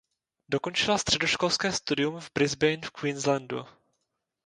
Dokončila středoškolské studium v Brisbane v Queenslandu.